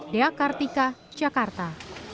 dea kartika jakarta